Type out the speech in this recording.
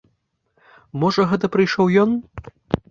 Можа, гэта прыйшоў ён.